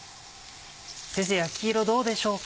先生焼き色どうでしょうか？